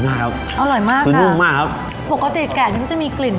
มากครับอร่อยมากคือนุ่มมากครับปกติแกะนี่มันจะมีกลิ่น